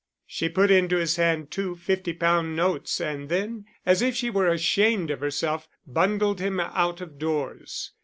She put into his hand two fifty pound notes and then, as if she were ashamed of herself, bundled him out of doors.